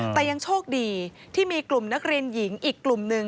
แต่ยังโชคดีที่มีกลุ่มนักเรียนหญิงอีกกลุ่มหนึ่ง